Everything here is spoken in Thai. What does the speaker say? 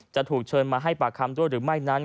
จะถูกเชิญมาให้ปากคำด้วยหรือไม่นั้น